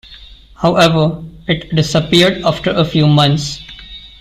However, it disappeared after a few months.